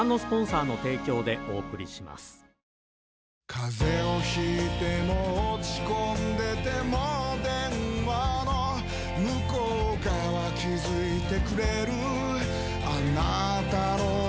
風邪を引いても落ち込んでても電話の向こう側気付いてくれるあなたの声